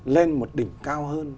lên một đỉnh cao hơn